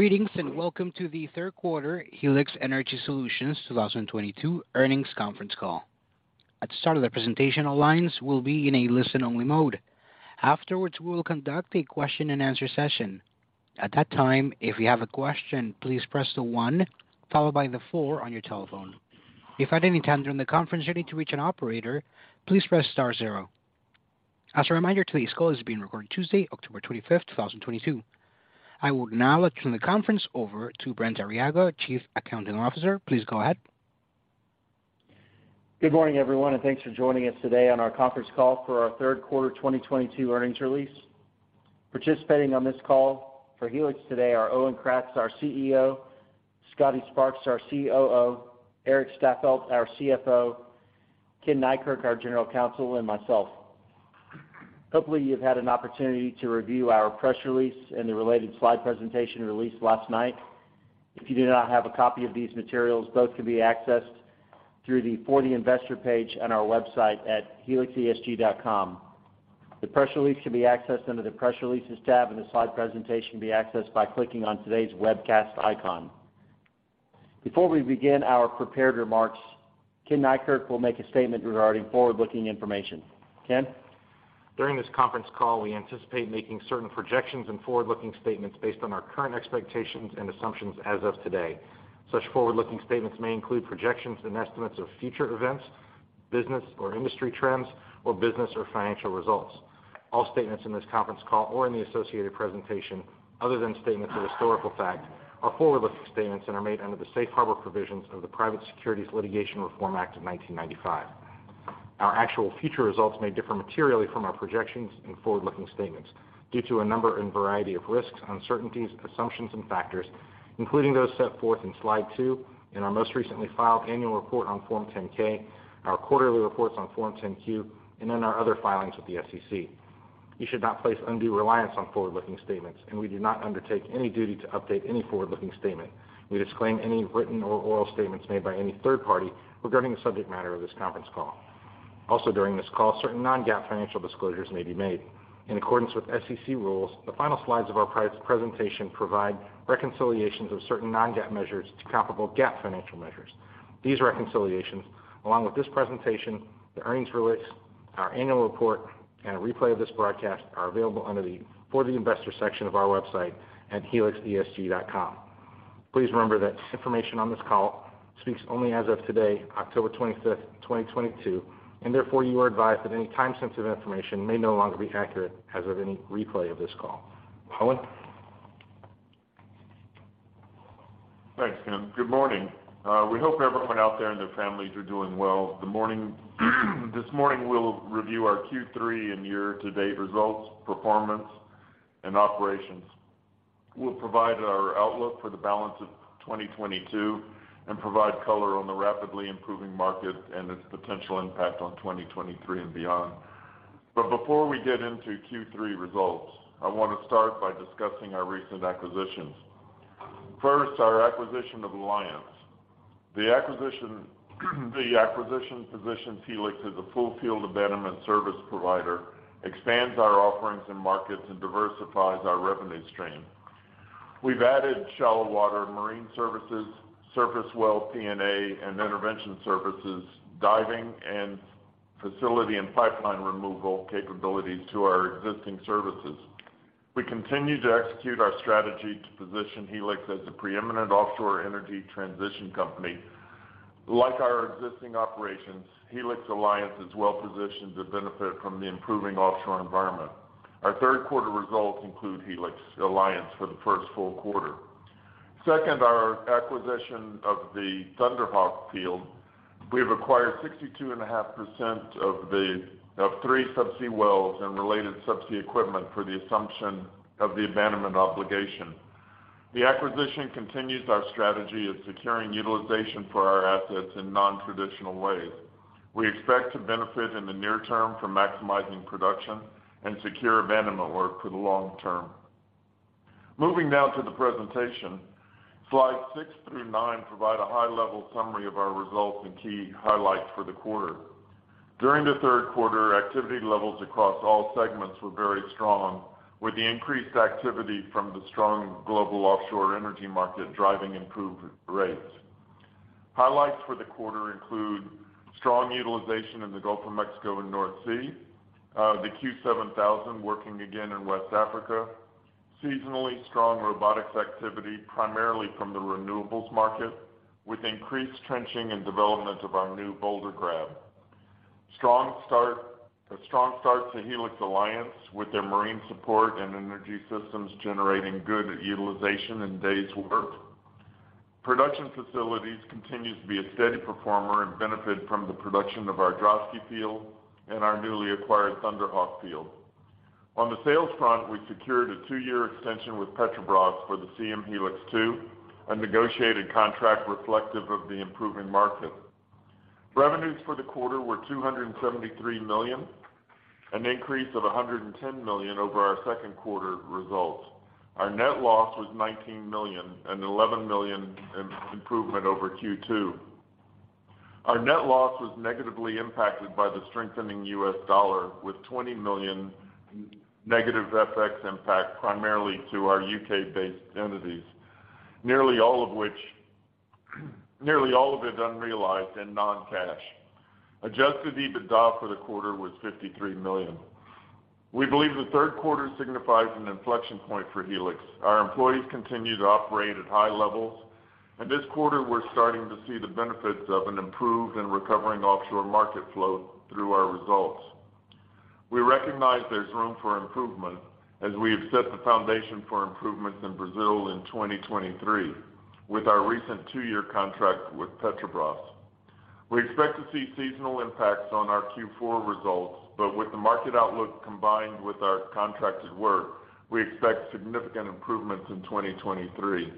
Greetings, and welcome to the third quarter Helix Energy Solutions 2022 earnings conference call. At the start of the presentation, all lines will be in a listen-only mode. Afterwards, we will conduct a question-and-answer session. At that time, if you have a question, please press the one followed by the four on your telephone. If at any time during the conference you need to reach an operator, please press star zero. As a reminder, today's call is being recorded, Tuesday, October 25th, 2022. I will now turn the conference over to Brent Arriaga, Chief Accounting Officer. Please go ahead. Good morning, everyone, and thanks for joining us today on our conference call for our third quarter 2022 earnings release. Participating on this call for Helix today are Owen Kratz, our CEO, Scotty Sparks, our COO, Erik Staffeldt, our CFO, Ken Neikirk, our General Counsel, and myself. Hopefully, you've had an opportunity to review our press release and the related slide presentation released last night. If you do not have a copy of these materials, both can be accessed through the for the Investor page on our website at helixesg.com. The press release can be accessed under the Press Releases tab, and the slide presentation can be accessed by clicking on today's webcast icon. Before we begin our prepared remarks, Ken Neikirk will make a statement regarding forward-looking information. Ken? During this conference call, we anticipate making certain projections and forward-looking statements based on our current expectations and assumptions as of today. Such forward-looking statements may include projections and estimates of future events, business or industry trends, or business or financial results. All statements in this conference call or in the associated presentation, other than statements of historical fact, are forward-looking statements and are made under the safe harbor provisions of the Private Securities Litigation Reform Act of 1995. Our actual future results may differ materially from our projections and forward-looking statements due to a number and variety of risks, uncertainties, assumptions, and factors, including those set forth in slide two in our most recently filed annual report on Form 10-K, our quarterly reports on Form 10-Q, and in our other filings with the SEC. You should not place undue reliance on forward-looking statements, and we do not undertake any duty to update any forward-looking statement. We disclaim any written or oral statements made by any third party regarding the subject matter of this conference call. Also during this call, certain non-GAAP financial disclosures may be made. In accordance with SEC rules, the final slides of our presentation provide reconciliations of certain non-GAAP measures to comparable GAAP financial measures. These reconciliations, along with this presentation, the earnings release, our annual report, and a replay of this broadcast are available under the For the Investor section of our website at helixesg.com. Please remember that information on this call speaks only as of today, October 25th, 2022, and therefore you are advised that any time-sensitive information may no longer be accurate as of any replay of this call. Owen? Thanks, Ken. Good morning. We hope everyone out there and their families are doing well. This morning we'll review our Q3 and year-to-date results, performance, and operations. We'll provide our outlook for the balance of 2022, and provide color on the rapidly improving market and its potential impact on 2023 and beyond. Before we get into Q3 results, I wanna start by discussing our recent acquisitions. First, our acquisition of Alliance. The acquisition positions Helix as a full field abandonment service provider, expands our offerings and markets, and diversifies our revenue stream. We've added shallow water marine services, surface well P&A and intervention services, diving, and facility and pipeline removal capabilities to our existing services. We continue to execute our strategy to position Helix as the preeminent offshore energy transition company. Like our existing operations, Helix Alliance is well-positioned to benefit from the improving offshore environment. Our third quarter results include Helix Alliance for the first full quarter. Second, our acquisition of the Thunder Hawk Field. We have acquired 62.5% of three subsea wells and related subsea equipment for the assumption of the abandonment obligation. The acquisition continues our strategy of securing utilization for our assets in nontraditional ways. We expect to benefit in the near term from maximizing production and secure abandonment work for the long term. Moving now to the presentation. Slides six through nine provide a high-level summary of our results and key highlights for the quarter. During the third quarter, activity levels across all segments were very strong, with the increased activity from the strong global offshore energy market driving improved rates. Highlights for the quarter include strong utilization in the Gulf of Mexico and North Sea. The Q7000 working again in West Africa. Seasonally strong robotics activity, primarily from the renewables market, with increased trenching and development of our new boulder grab. Strong start to Helix Alliance with their marine support and energy systems generating good utilization and days worked. Production facilities continue to be a steady performer and benefit from the production of our Droshky Field and our newly acquired Thunder Hawk Field. On the sales front, we secured a two-year extension with Petrobras for the Siem Helix 2, a negotiated contract reflective of the improving market. Revenues for the quarter were $273 million, an increase of $110 million over our second quarter results. Our net loss was $19 million, an $11 million improvement over Q2. Our net loss was negatively impacted by the strengthening US dollar with $20 million negative FX impact primarily to our UK-based entities, nearly all of it unrealized and non-cash. Adjusted EBITDA for the quarter was $53 million. We believe the third quarter signifies an inflection point for Helix. Our employees continue to operate at high levels, and this quarter we're starting to see the benefits of an improved and recovering offshore market flow through our results. We recognize there's room for improvement as we have set the foundation for improvements in Brazil in 2023 with our recent two-year contract with Petrobras. We expect to see seasonal impacts on our Q4 results, but with the market outlook combined with our contracted work, we expect significant improvements in 2023.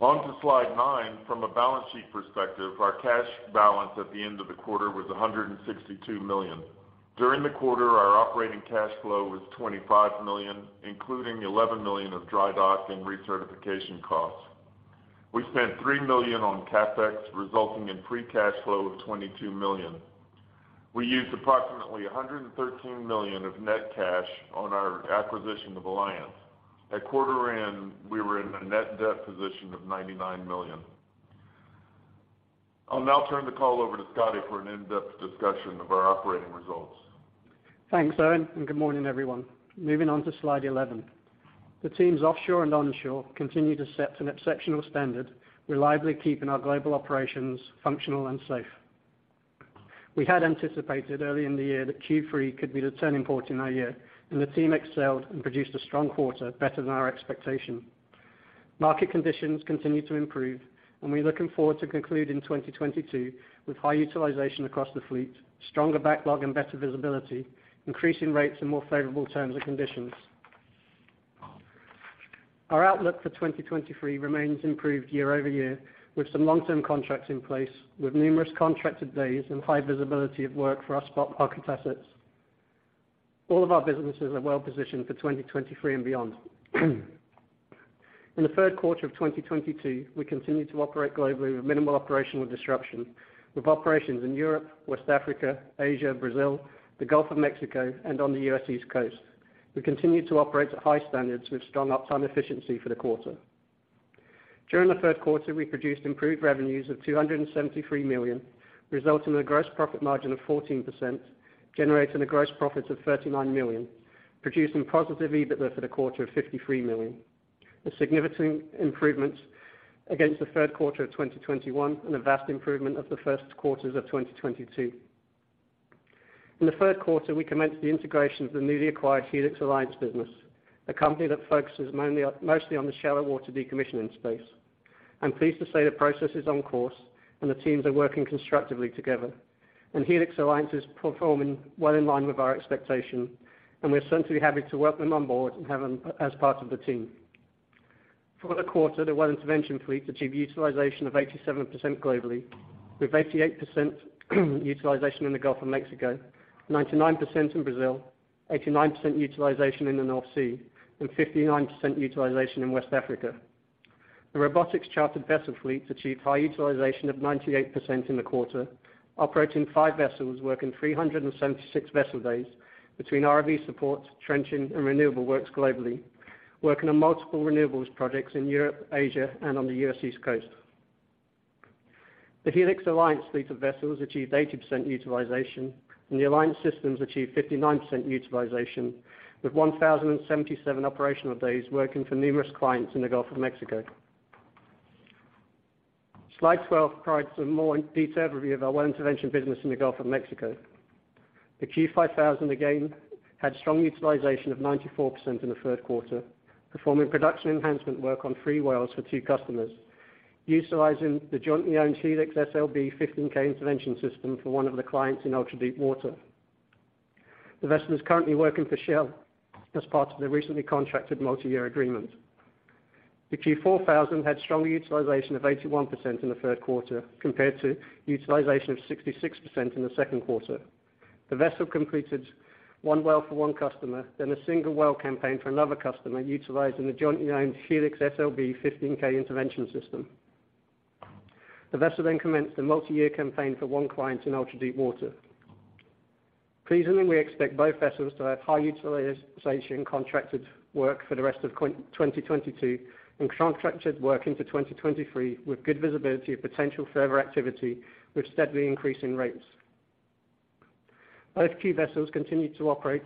On to slide nine, from a balance sheet perspective, our cash balance at the end of the quarter was $162 million. During the quarter, our operating cash flow was $25 million, including $11 million of dry dock and recertification costs. We spent $3 million on CapEx, resulting in free cash flow of $22 million. We used approximately $113 million of net cash on our acquisition of Alliance. At quarter end, we were in a net debt position of $99 million. I'll now turn the call over to Scotty for an in-depth discussion of our operating results. Thanks, Owen, and good morning, everyone. Moving on to slide 11. The teams offshore and onshore continue to set an exceptional standard, reliably keeping our global operations functional and safe. We had anticipated early in the year that Q3 could be the turning point in our year, and the team excelled and produced a strong quarter better than our expectation. Market conditions continue to improve, and we're looking forward to concluding 2022 with high utilization across the fleet, stronger backlog and better visibility, increasing rates and more favorable terms and conditions. Our outlook for 2023 remains improved year-over year with some long-term contracts in place, with numerous contracted days and high visibility of work for our spot market assets. All of our businesses are well positioned for 2023 and beyond. In the third quarter of 2022, we continued to operate globally with minimal operational disruption with operations in Europe, West Africa, Asia, Brazil, the Gulf of Mexico, and on the U.S. East Coast. We continued to operate at high standards with strong uptime efficiency for the quarter. During the third quarter, we produced improved revenues of $273 million, resulting in a gross profit margin of 14%, generating a gross profit of $39 million, producing positive EBITDA for the quarter of $53 million. A significant improvement against the third quarter of 2021 and a vast improvement over the first quarter of 2022. In the third quarter, we commenced the integration of the newly acquired Helix Alliance business, a company that mostly focuses on the shallow water decommissioning space. I'm pleased to say the process is on course and the teams are working constructively together, and Helix Alliance is performing well in line with our expectation, and we're certainly happy to welcome them on board and have them as part of the team. For the quarter, the Well Intervention fleet achieved utilization of 87% globally, with 88% utilization in the Gulf of Mexico, 99% in Brazil, 89% utilization in the North Sea, and 59% utilization in West Africa. The robotics chartered vessel fleet achieved high utilization of 98% in the quarter, operating five vessels working 376 vessel days between ROV support, trenching, and renewable works globally, working on multiple renewables projects in Europe, Asia, and on the U.S. East Coast. The Helix Alliance fleet of vessels achieved 80% utilization, and the Alliance systems achieved 59% utilization with 1,077 operational days working for numerous clients in the Gulf of Mexico. Slide 12 provides a more in-depth overview of our Well Intervention business in the Gulf of Mexico. The Q5000, again, had strong utilization of 94% in the third quarter, performing production enhancement work on three wells for two customers, utilizing the jointly owned Helix SLB 15K intervention system for one of the clients in ultra-deep water. The vessel is currently working for Shell as part of the recently contracted multi-year agreement. The Q4000 had strong utilization of 81% in the third quarter compared to utilization of 66% in the second quarter. The vessel completed one well for one customer, then a single well campaign for another customer utilizing the jointly owned Helix SLB 15K intervention system. The vessel then commenced a multi-year campaign for one client in ultra-deep water. Pleasingly, we expect both vessels to have high utilization contracted work for the rest of 2022, and contracted work into 2023 with good visibility of potential further activity with steadily increasing rates. Both Q vessels continued to operate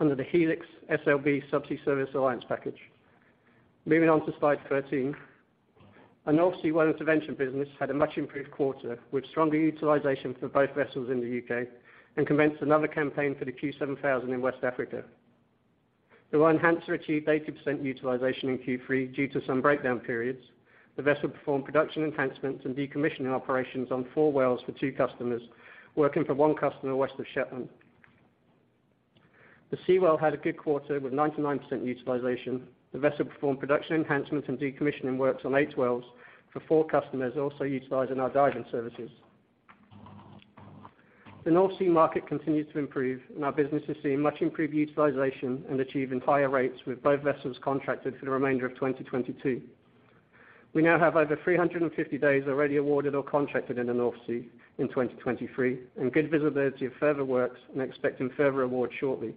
under the Helix SLB Subsea Services Alliance package. Moving on to slide 13. The offshore well intervention business had a much improved quarter with stronger utilization for both vessels in the U.K., and commenced another campaign for the Q7000 in West Africa. The Enhancer achieved 80% utilization in Q3 due to some breakdown periods. The vessel performed production enhancements and decommissioning operations on four wells for two customers, working for one customer west of Shetland. The Seawell had a good quarter with 99% utilization. The vessel performed production enhancements and decommissioning works on eight wells for four customers, also utilizing our diving services. The North Sea market continues to improve, and our business is seeing much improved utilization and achieving higher rates with both vessels contracted for the remainder of 2022. We now have over 350 days already awarded or contracted in the North Sea in 2023, and good visibility of further works and expecting further awards shortly.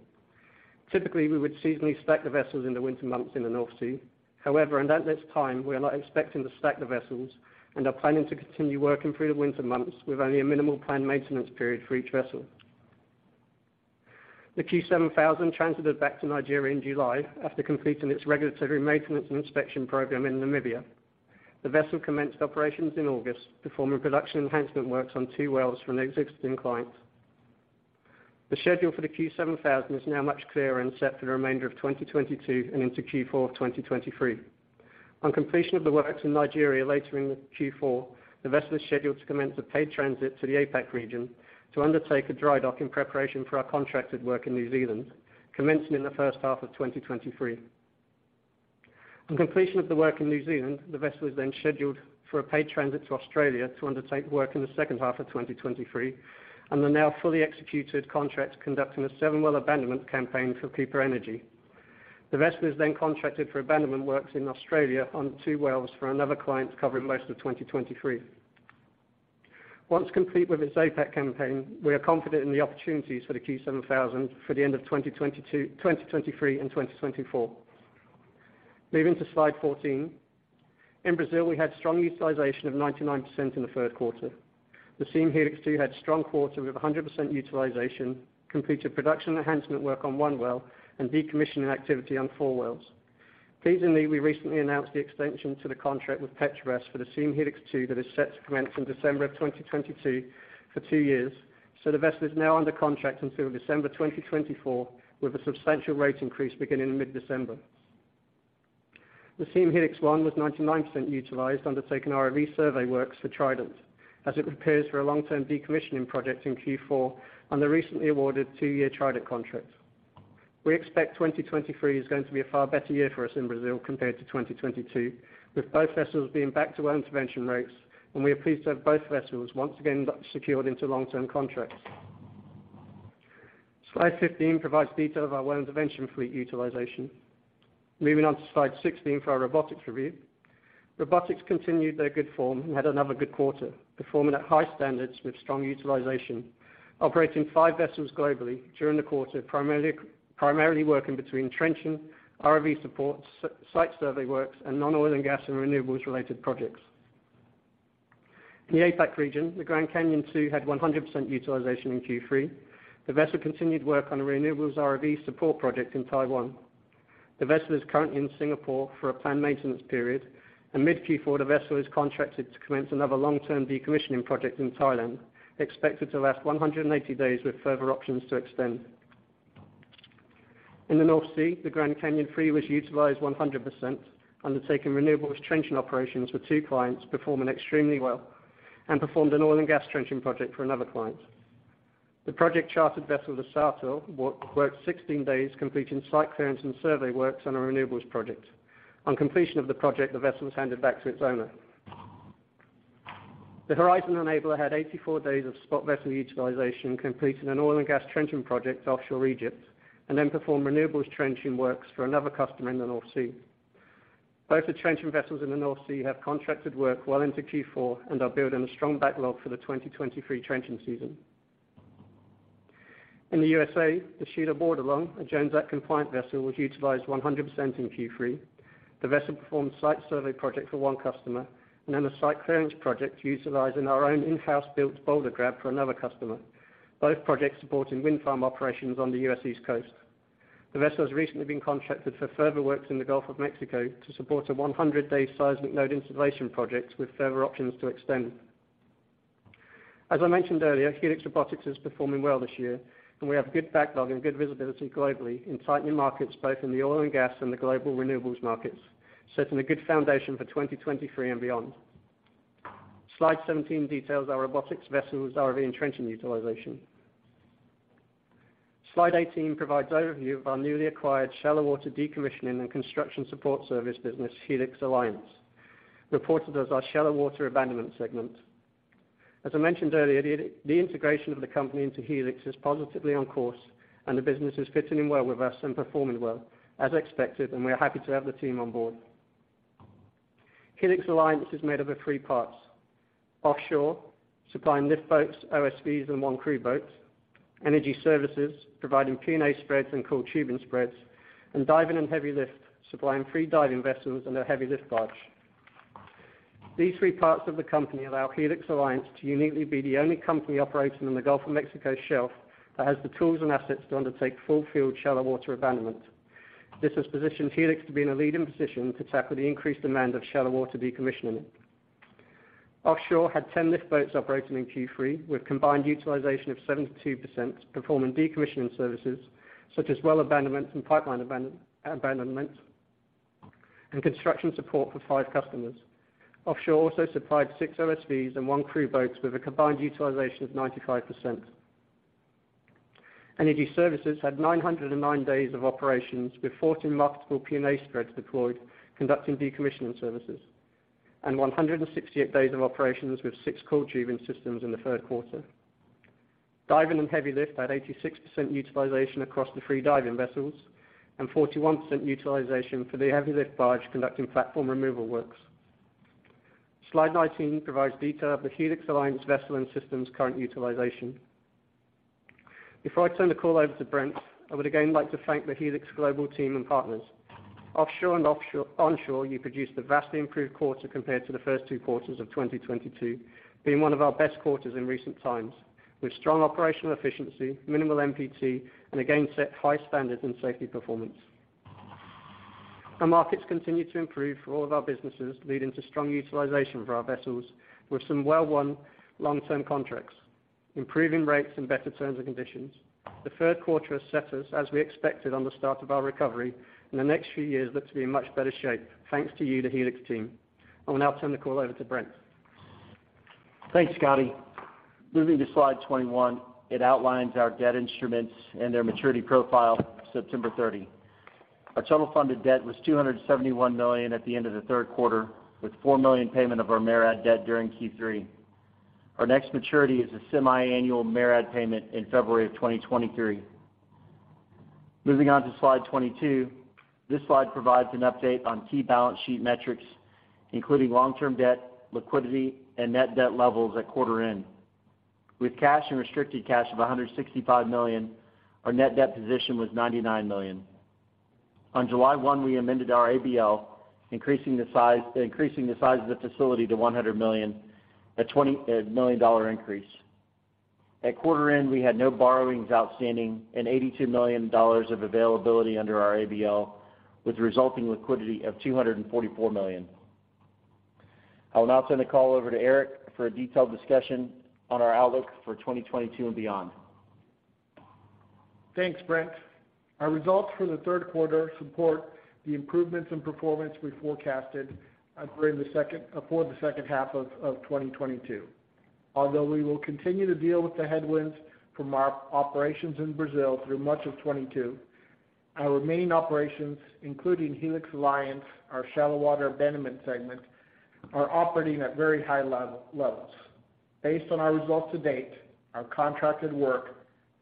Typically, we would seasonally stack the vessels in the winter months in the North Sea. However, at this time, we are not expecting to stack the vessels, and are planning to continue working through the winter months with only a minimal planned maintenance period for each vessel. The Q7000 transited back to Nigeria in July after completing its regulatory maintenance and inspection program in Namibia. The vessel commenced operations in August, performing production enhancement works on two wells from an existing client. The schedule for the Q7000 is now much clearer and set for the remainder of 2022 and into Q4 of 2023. On completion of the works in Nigeria later in the Q4, the vessel is scheduled to commence a paid transit to the APAC region to undertake a dry dock in preparation for our contracted work in New Zealand, commencing in the first half of 2023. On completion of the work in New Zealand, the vessel is then scheduled for a paid transit to Australia to undertake work in the second half of 2023 on the now fully executed contract conducting a seven-well abandonment campaign for Cooper Energy. The vessel is then contracted for abandonment works in Australia on two wells for another client covering most of 2023. Once complete with its APAC campaign, we are confident in the opportunities for the Q7000 for the end of 2022, 2023, and 2024. Moving to Slide 14. In Brazil, we had strong utilization of 99% in the third quarter. The Siem Helix 2 had a strong quarter with 100% utilization, completed production enhancement work on one well, and decommissioning activity on four wells. Pleasingly, we recently announced the extension to the contract with Petrobras for the Siem Helix 2 that is set to commence in December 2022 for two years, so the vessel is now under contract until December 2024, with a substantial rate increase beginning in mid-December. The Siem Helix 1 was 99% utilized, undertaking ROV survey works for Trident as it prepares for a long-term decommissioning project in Q4 on the recently awarded two-year Trident contract. We expect 2023 is going to be a far better year for us in Brazil compared to 2022, with both vessels being back to well intervention rates, and we are pleased to have both vessels once again secured into long-term contracts. Slide 15 provides detail of our well intervention fleet utilization. Moving on to Slide 16 for our robotics review. Robotics continued their good form and had another good quarter, performing at high standards with strong utilization, operating five vessels globally during the quarter, primarily working between trenching, ROV support, site survey works, and non-oil and gas and renewables-related projects. In the APAC region, the Grand Canyon II had 100% utilization in Q3. The vessel continued work on a renewables ROV support project in Taiwan. The vessel is currently in Singapore for a planned maintenance period. In mid-Q4, the vessel is contracted to commence another long-term decommissioning project in Thailand, expected to last 180 days, with further options to extend. In the North Sea, the Grand Canyon III was utilized 100%, undertaking renewables trenching operations for two clients, performing extremely well, and performed an oil and gas trenching project for another client. The project-chartered vessel, the Sartor, worked 16 days, completing site clearance and survey works on a renewables project. On completion of the project, the vessel was handed back to its owner. The Horizon Enabler had 84 days of spot vessel utilization, completing an oil and gas trenching project offshore Egypt, and then performed renewables trenching works for another customer in the North Sea. Both the trenching vessels in the North Sea have contracted work well into Q4 and are building a strong backlog for the 2023 trenching season. In the U.S., the Shelia Bordelon, a Jones Act-compliant vessel, was utilized 100% in Q3. The vessel performed a site survey project for one customer, and then a site clearance project utilizing our own in-house built boulder grab for another customer, both projects supporting wind farm operations on the U.S. East Coast. The vessel has recently been contracted for further works in the Gulf of Mexico to support a 100-day seismic node installation project with further options to extend. As I mentioned earlier, Helix Robotics is performing well this year, and we have good backlog and good visibility globally in tightening markets, both in the oil and gas and the global renewables markets, setting a good foundation for 2023 and beyond. Slide 17 details our robotics vessels ROV and trenching utilization. Slide 18 provides overview of our newly acquired shallow water decommissioning and construction support service business, Helix Alliance, reported as our shallow water abandonment segment. As I mentioned earlier, the integration of the company into Helix is positively on course, and the business is fitting in well with us and performing well as expected, and we are happy to have the team on board. Helix Alliance is made up of three parts, offshore supplying lift boats, OSVs, and one crew boat, energy services providing P&A spreads and coiled tubing spreads, and diving and heavy lift supplying three diving vessels and a heavy lift barge. These three parts of the company allow Helix Alliance to uniquely be the only company operating on the Gulf of Mexico shelf that has the tools and assets to undertake full-field shallow water abandonment. This has positioned Helix to be in a leading position to tackle the increased demand of shallow water decommissioning. Offshore had 10 lift boats operating in Q3, with combined utilization of 72%, performing decommissioning services, such as well abandonment and pipeline abandonment, and construction support for five customers. Offshore also supplied six OSVs and one crew boat with a combined utilization of 95%. Energy services had 909 days of operations with 14 marketable P&A spreads deployed conducting decommissioning services, and 168 days of operations with six coiled tubing systems in the third quarter. Diving and heavy lift had 86% utilization across the three diving vessels and 41% utilization for the heavy lift barge conducting platform removal works. Slide 19 provides detail of the Helix Alliance vessel and systems current utilization. Before I turn the call over to Brent, I would again like to thank the Helix Global team and partners. Offshore and onshore, you produced a vastly improved quarter compared to the first two quarters of 2022, being one of our best quarters in recent times, with strong operational efficiency, minimal MPT, and again set high standards in safety performance. Our markets continue to improve for all of our businesses, leading to strong utilization for our vessels with some well-won long-term contracts, improving rates and better terms and conditions. The third quarter has set us, as we expected, on the start of our recovery, and the next few years look to be in much better shape. Thanks to you, the Helix team. I will now turn the call over to Brent. Thanks, Scotty. Moving to slide 21, it outlines our debt instruments and their maturity profile, September 30. Our total funded debt was $271 million at the end of the third quarter, with $4 million payment of our MARAD debt during Q3. Our next maturity is a semi-annual MARAD payment in February 2023. Moving on to slide 22. This slide provides an update on key balance sheet metrics, including long-term debt, liquidity, and net debt levels at quarter end. With cash and restricted cash of $165 million, our net debt position was $99 million. On July 1, we amended our ABL, increasing the size of the facility to $100 million, a $20 million dollar increase. At quarter end, we had no borrowings outstanding and $82 million of availability under our ABL, with resulting liquidity of $244 million. I will now turn the call over to Erik for a detailed discussion on our outlook for 2022 and beyond. Thanks, Brent. Our results for the third quarter support the improvements in performance we forecasted during the second half of 2022. Although we will continue to deal with the headwinds from our operations in Brazil through much of 2022, our remaining operations, including Helix Alliance, our shallow water abandonment segment, are operating at very high levels. Based on our results to date, our contracted work,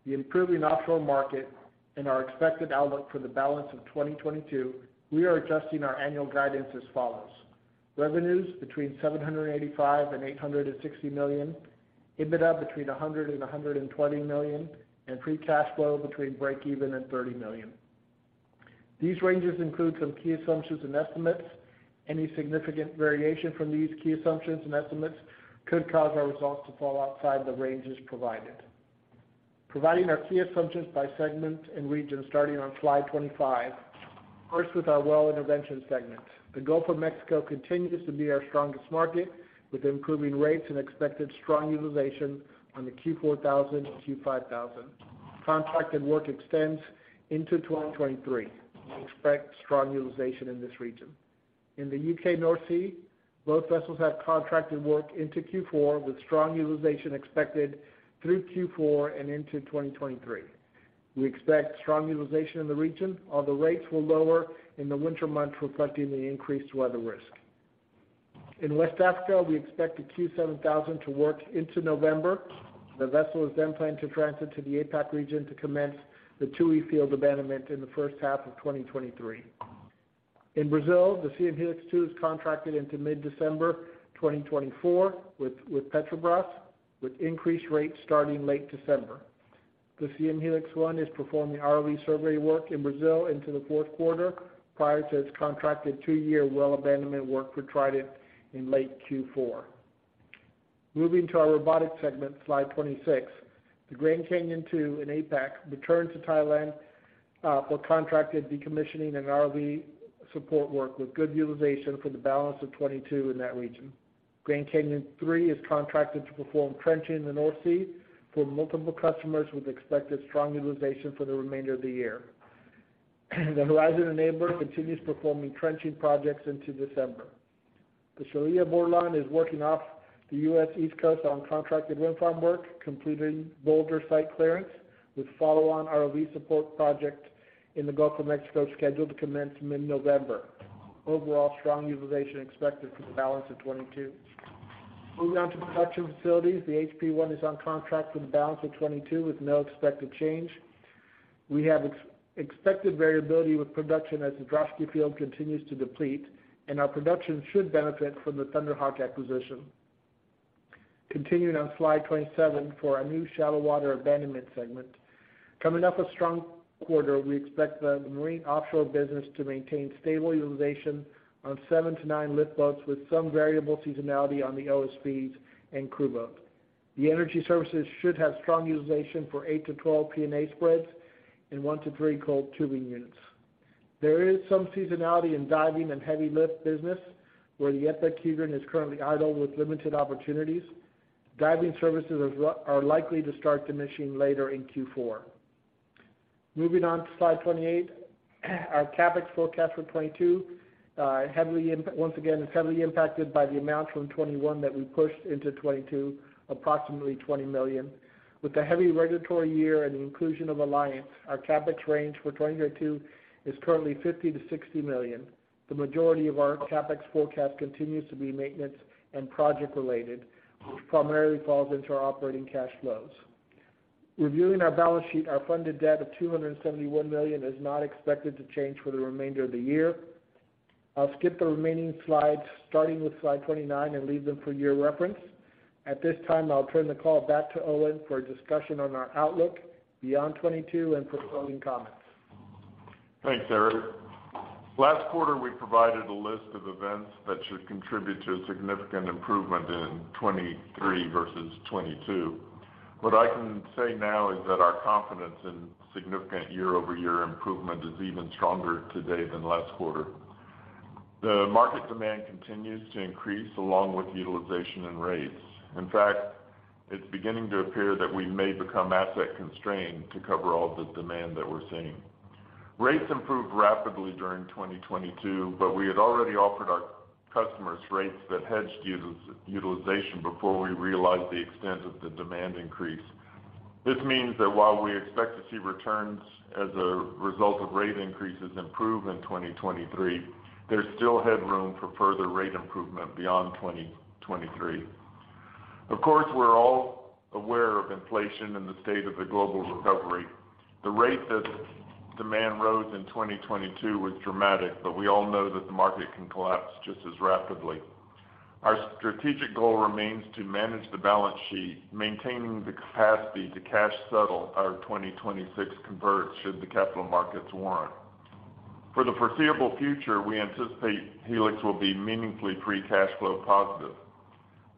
the improving offshore market and our expected outlook for the balance of 2022, we are adjusting our annual guidance as follows. Revenues between $785 million and $860 million, EBITDA between $100 million and $120 million, and free cash flow between breakeven and $30 million. These ranges include some key assumptions and estimates. Any significant variation from these key assumptions and estimates could cause our results to fall outside the ranges provided. Providing our key assumptions by segment and region starting on slide 25. First, with our Well Intervention segment. The Gulf of Mexico continues to be our strongest market, with improving rates and expected strong utilization on the Q4000 and Q5000. Contracted work extends into 2023. We expect strong utilization in this region. In the U.K. North Sea, both vessels have contracted work into Q4 with strong utilization expected through Q4 and into 2023. We expect strong utilization in the region, although rates will lower in the winter months, reflecting the increased weather risk. In West Africa, we expect the Q7000 to work into November. The vessel is then planned to transit to the APAC region to commence the Tui field abandonment in the first half of 2023. In Brazil, the Siem Helix 2 is contracted into mid-December 2024 with Petrobras, with increased rates starting late December. The Siem Helix 1 is performing ROV survey work in Brazil into the fourth quarter prior to its contracted two-year well abandonment work for Trident in late Q4. Moving to our Robotics segment, slide 26. The Grand Canyon II in APAC returned to Thailand for contracted decommissioning and ROV support work, with good utilization for the balance of 2022 in that region. Grand Canyon III is contracted to perform trenching in the North Sea for multiple customers, with expected strong utilization for the remainder of the year. The Horizon Enabler continues performing trenching projects into December. The Shelia Bordelon is working off the U.S. East Coast on contracted wind farm work, completing boulder site clearance with follow-on ROV support project in the Gulf of Mexico, scheduled to commence mid-November. Overall strong utilization expected for the balance of 2022. Moving on to Production Facilities. The HP I is on contract for the balance of 2022 with no expected change. We have expected variability with production as the Draugen field continues to deplete, and our production should benefit from the Thunder Hawk acquisition. Continuing on slide 27 for our new Shallow Water Abandonment segment. Coming off a strong quarter, we expect the marine offshore business to maintain stable utilization on 7-9 lift boats with some variable seasonality on the OSVs and crew boats. The energy services should have strong utilization for 8-12 P&A spreads and 1-3 coiled tubing units. There is some seasonality in diving and heavy lift business where the EPIC Hedron is currently idle with limited opportunities. Diving services are likely to start diminishing later in Q4. Moving on to slide 28, our CapEx forecast for 2022, once again, is heavily impacted by the amounts from 2021 that we pushed into 2022, approximately $20 million. With the heavy regulatory year and the inclusion of Alliance, our CapEx range for 2022 is currently $50 million-$60 million. The majority of our CapEx forecast continues to be maintenance and project related, which primarily falls into our operating cash flows. Reviewing our balance sheet, our funded debt of $271 million is not expected to change for the remainder of the year. I'll skip the remaining slides starting with slide 29 and leave them for your reference. At this time, I'll turn the call back to Owen for a discussion on our outlook beyond 2022 and for closing comments. Thanks, Erik. Last quarter, we provided a list of events that should contribute to a significant improvement in 2023 versus 2022. What I can say now is that our confidence in significant year-over-year improvement is even stronger today than last quarter. The market demand continues to increase along with utilization and rates. In fact, it's beginning to appear that we may become asset constrained to cover all the demand that we're seeing. Rates improved rapidly during 2022, but we had already offered our customers rates that hedged utilization before we realized the extent of the demand increase. This means that while we expect to see returns as a result of rate increases improve in 2023, there's still headroom for further rate improvement beyond 2023. Of course, we're all aware of inflation and the state of the global recovery. The rate that demand rose in 2022 was dramatic, but we all know that the market can collapse just as rapidly. Our strategic goal remains to manage the balance sheet, maintaining the capacity to cash settle our 2026 converts should the capital markets warrant. For the foreseeable future, we anticipate Helix will be meaningfully free cash flow positive.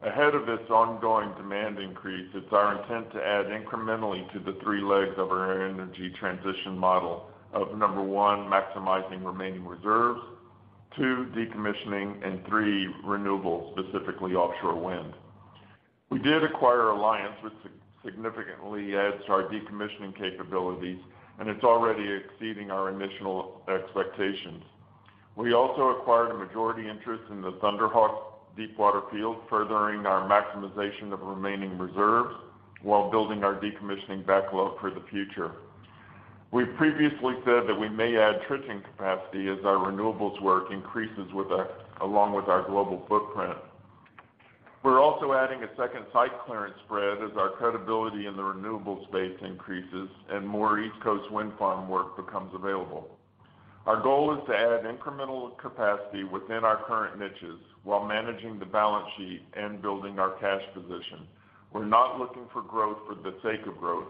Ahead of this ongoing demand increase, it's our intent to add incrementally to the three legs of our energy transition model of one, maximizing remaining reserves, two, decommissioning, and three, renewables, specifically offshore wind. We did acquire Alliance, which significantly adds to our decommissioning capabilities, and it's already exceeding our initial expectations. We also acquired a majority interest in the Thunder Hawk Deepwater field, furthering our maximization of remaining reserves while building our decommissioning backlog for the future. We've previously said that we may add trenching capacity as our renewables work increases along with our global footprint. We're also adding a second site clearance spread as our credibility in the renewables space increases, and more East Coast wind farm work becomes available. Our goal is to add incremental capacity within our current niches while managing the balance sheet and building our cash position. We're not looking for growth for the sake of growth,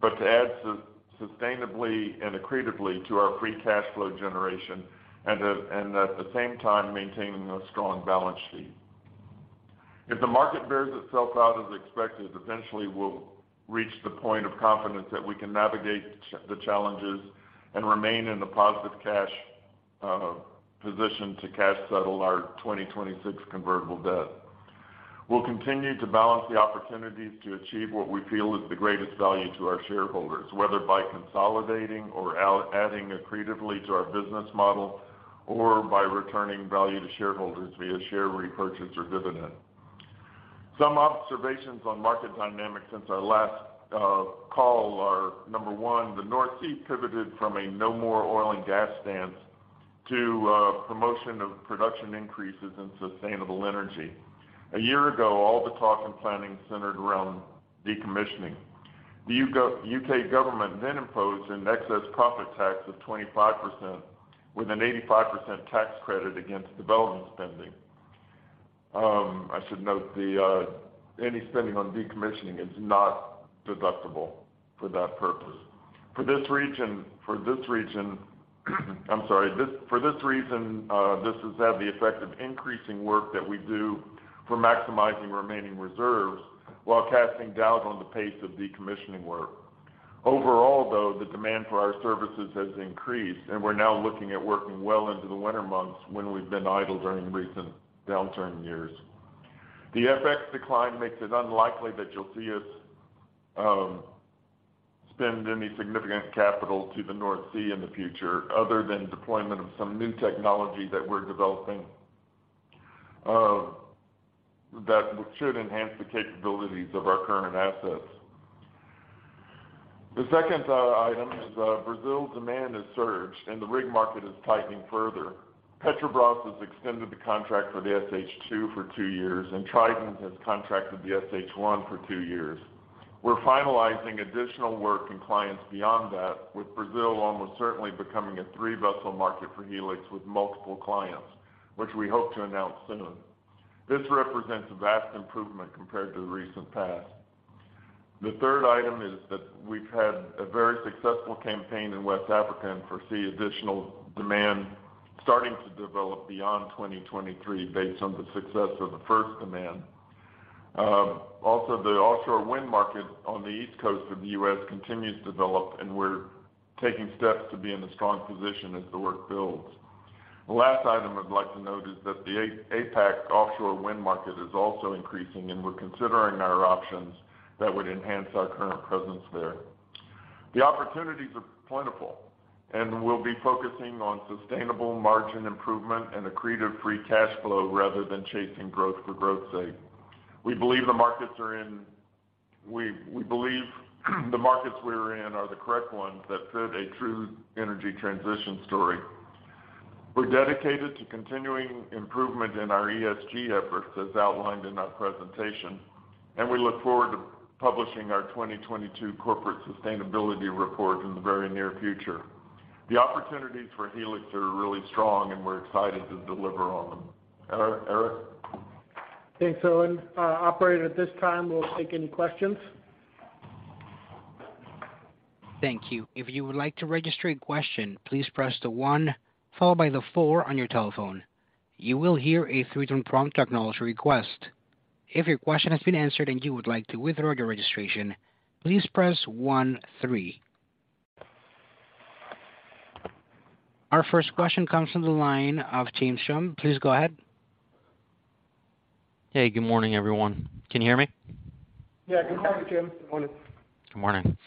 but to add sustainably and accretively to our free cash flow generation and at the same time maintaining a strong balance sheet. If the market bears itself out as expected, eventually we'll reach the point of confidence that we can navigate the challenges and remain in a positive cash position to cash settle our 2026 convertible debt. We'll continue to balance the opportunities to achieve what we feel is the greatest value to our shareholders, whether by consolidating or adding accretively to our business model or by returning value to shareholders via share repurchase or dividend. Some observations on market dynamics since our last call are, number one, the North Sea pivoted from a no more oil and gas stance to promotion of production increases in sustainable energy. A year ago, all the talk and planning centered around decommissioning. The U.K. government then imposed an excess profit tax of 25% with an 85% tax credit against development spending. I should note that any spending on decommissioning is not deductible for that purpose. For this reason, this has had the effect of increasing work that we do for maximizing remaining reserves while casting doubt on the pace of decommissioning work. Overall, though, the demand for our services has increased, and we're now looking at working well into the winter months when we've been idle during recent downturn years. The FX decline makes it unlikely that you'll see us spend any significant capital to the North Sea in the future other than deployment of some new technology that we're developing that should enhance the capabilities of our current assets. The second item is Brazil demand has surged, and the rig market is tightening further. Petrobras has extended the contract for the SH2 for two years, and Trident has contracted the SH1 for two years. We're finalizing additional work and clients beyond that, with Brazil almost certainly becoming a three-vessel market for Helix with multiple clients, which we hope to announce soon. This represents a vast improvement compared to the recent past. The third item is that we've had a very successful campaign in West Africa and foresee additional demand starting to develop beyond 2023 based on the success of the first demand. Also, the offshore wind market on the East Coast of the U.S. continues to develop, and we're taking steps to be in a strong position as the work builds. The last item I'd like to note is that the APAC offshore wind market is also increasing, and we're considering our options that would enhance our current presence there. The opportunities are plentiful, and we'll be focusing on sustainable margin improvement and accretive free cash flow rather than chasing growth for growth's sake. We believe the markets we're in are the correct ones that fit a true energy transition story. We're dedicated to continuing improvement in our ESG efforts, as outlined in our presentation, and we look forward to publishing our 2022 corporate sustainability report in the very near future. The opportunities for Helix are really strong, and we're excited to deliver on them. Erik? Thanks, Owen. Operator, at this time, we'll take any questions. Thank you. If you would like to register a question, please press the one followed by the four on your telephone. You will hear a three-tone prompt to acknowledge your request. If your question has been answered and you would like to withdraw your registration, please press one-three. Our first question comes from the line of James Schumm. Please go ahead. Hey, good morning, everyone. Can you hear me? Yeah, good morning, James. Morning. Good morning.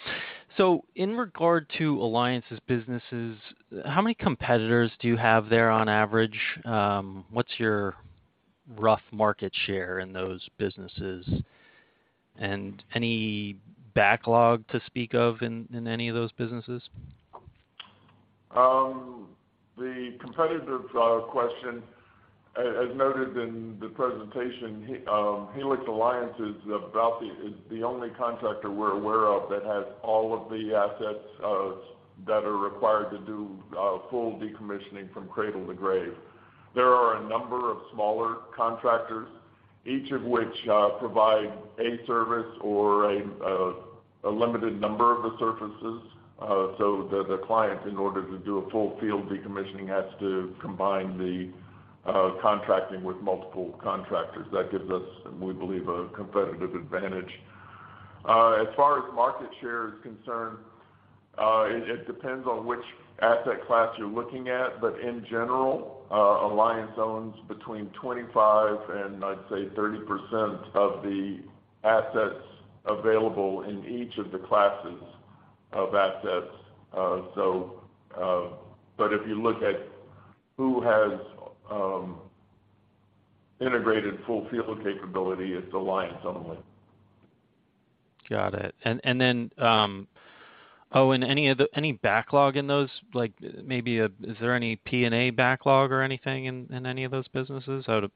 In regard to Alliance's businesses, how many competitors do you have there on average? What's your rough market share in those businesses? Any backlog to speak of in any of those businesses? The competitors question, as noted in the presentation, Helix Alliance is the only contractor we're aware of that has all of the assets that are required to do full decommissioning from cradle to grave. There are a number of smaller contractors, each of which provide a service or a limited number of the services, so the client, in order to do a full field decommissioning, has to combine the contracting with multiple contractors. That gives us, we believe, a competitive advantage. As far as market share is concerned, it depends on which asset class you're looking at. In general, Alliance owns between 25% and I'd say 30% of the assets available in each of the classes of assets. If you look at who has integrated full field capability, it's Alliance only. Got it. Owen, any backlog in those? Like, maybe, is there any P&A backlog or anything in any of those businesses? How to-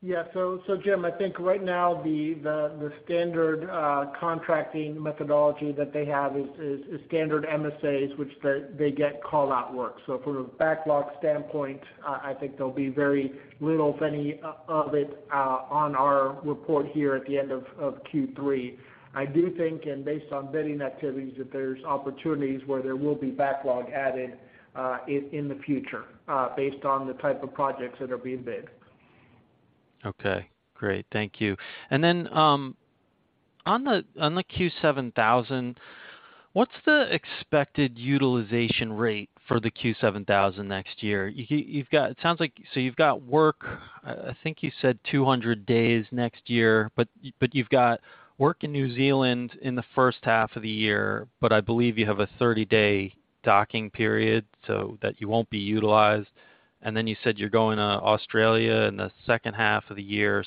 Yeah, James, I think right now the standard contracting methodology that they have is standard MSAs, which they get call out work. From a backlog standpoint, I think there'll be very little, if any of it, on our report here at the end of Q3. I do think, based on bidding activities, that there's opportunities where there will be backlog added in the future, based on the type of projects that are being bid. Okay, great. Thank you. On the Q7000, what's the expected utilization rate for the Q7000 next year? You've got work, I think you said 200 days next year. You've got work in New Zealand in the first half of the year, but I believe you have a 30-day docking period, so that you won't be utilized. You said you're going to Australia in the second half of the year.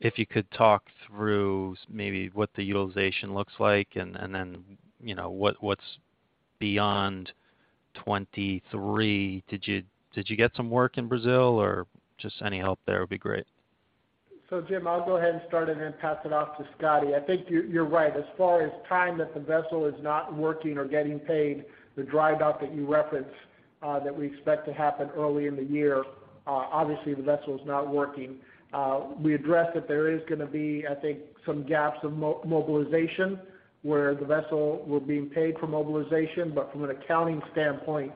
If you could talk through maybe what the utilization looks like and then what's beyond 2023? Did you get some work in Brazil, or just any help there would be great? James, I'll go ahead and start it and pass it off to Scotty. I think you're right. As far as time that the vessel is not working or getting paid, the dry dock that you referenced, that we expect to happen early in the year, obviously the vessel's not working. We addressed that there is gonna be, I think, some gaps of mobilization, where the vessel will be paid for mobilization. But from an accounting standpoint,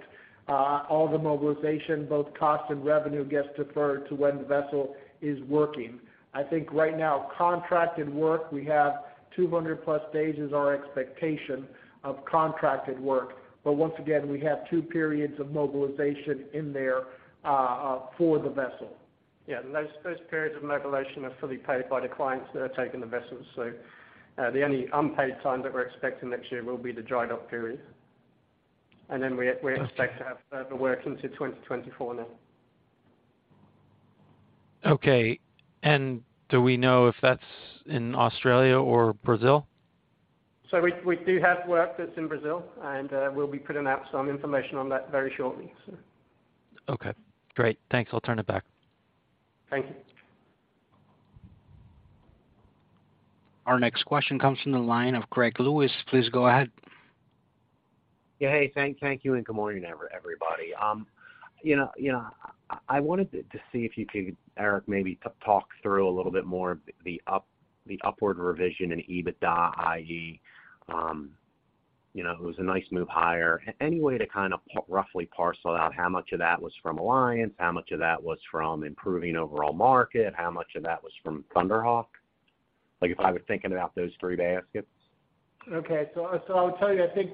all the mobilization, both cost and revenue, gets deferred to when the vessel is working. I think right now contracted work, we have 200+ days is our expectation of contracted work. But once again, we have two periods of mobilization in there, for the vessel. Yeah, those periods of mobilization are fully paid by the clients that are taking the vessels. The only unpaid time that we're expecting next year will be the dry dock period. We expect. Okay. To have further work into 2024 now. Okay. Do we know if that's in Australia or Brazil? We do have work that's in Brazil, and we'll be putting out some information on that very shortly, so. Okay, great. Thanks. I'll turn it back. Thank you. Our next question comes from the line of Greg Lewis. Please go ahead. Hey, thank you, and good morning, everybody. You know, I wanted to see if you could, Erik, maybe talk through a little bit more the upward revision in EBITDA. You know, it was a nice move higher. Any way to kind of roughly parcel out how much of that was from Alliance, how much of that was from improving overall market, how much of that was from Thunder Hawk? Like if I was thinking about those three baskets. I would tell you, I think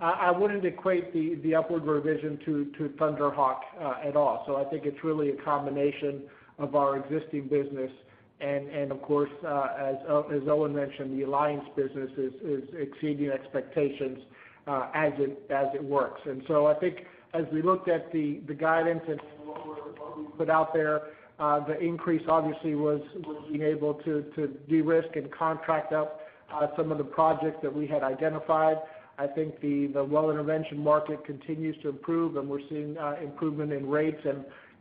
I wouldn't equate the upward revision to Thunder Hawk at all. I think it's really a combination of our existing business and of course as Owen mentioned, the Alliance business is exceeding expectations as it works. I think as we looked at the guidance and what we put out there, the increase obviously was being able to de-risk and contract out some of the projects that we had identified. I think the well intervention market continues to improve, and we're seeing improvement in rates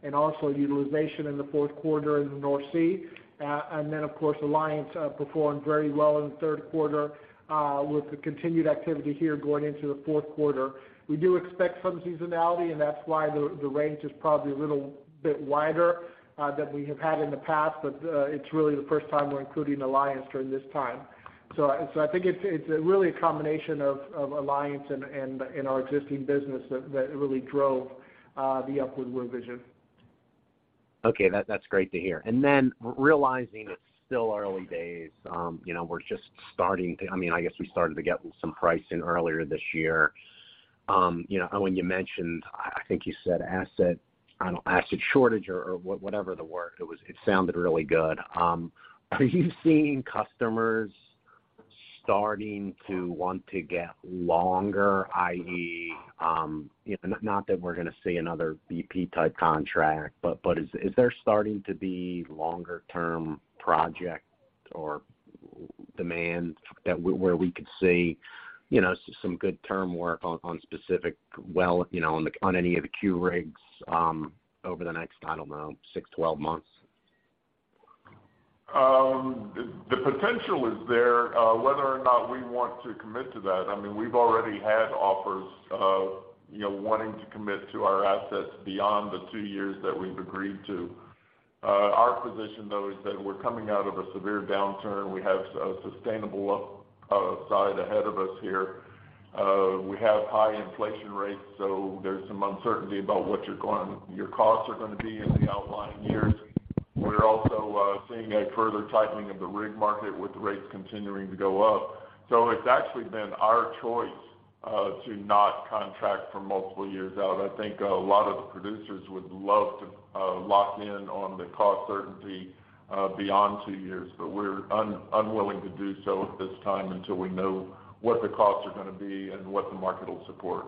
and also utilization in the fourth quarter in the North Sea. Of course, Alliance performed very well in the third quarter with the continued activity here going into the fourth quarter. We do expect some seasonality, and that's why the range is probably a little bit wider than we have had in the past. It's really the first time we're including Alliance during this time. I think it's really a combination of Alliance and our existing business that really drove the upward revision. That's great to hear. Realizing it's still early days, I mean, I guess we started to get some pricing earlier this year. Owen, you mentioned, I think you said asset shortage or whatever the word. It sounded really good. Are you seeing customers starting to want to get longer, i.e., you know, not that we're gonna see another BP type contract, but is there starting to be longer term project or demand that, where we could see, you know, some good term work on specific well, you know, on any of the Q rigs over the next, I don't know, 6-12 months? The potential is there. Whether or not we want to commit to that, I mean, we've already had offers of, you know, wanting to commit to our assets beyond the two years that we've agreed to. Our position, though, is that we're coming out of a severe downturn. We have a sustainable upside ahead of us here. We have high inflation rates, so there's some uncertainty about what our costs are gonna be in the outlying years. We're also seeing a further tightening of the rig market with the rates continuing to go up. It's actually been our choice to not contract for multiple years out. I think a lot of the producers would love to lock in on the cost certainty beyond two years, but we're unwilling to do so at this time until we know what the costs are gonna be, and what the market will support.